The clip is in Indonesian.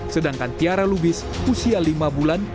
sedangkan tiara lubis usia lima bulan